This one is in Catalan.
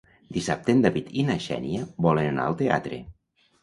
Dissabte en David i na Xènia volen anar al teatre.